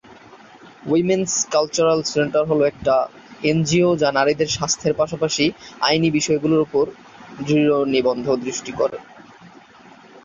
Women's cultural centre হলো একটি NGO যা নারীদের স্বাস্থ্যের পাশাপাশি আইনী বিষয়গুলির উপর দৃষ্টি নিবদ্ধ করে।